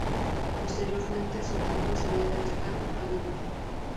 Posteriormente su templo sería dedicado a Venus.